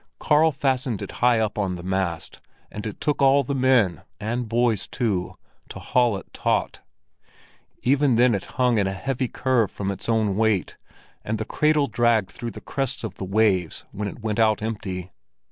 Karl fastened it high up on the mast, and it took all the men—and boys, too—to haul it taut. Even then it hung in a heavy curve from its own weight, and the cradle dragged through the crests of the waves when it went out empty.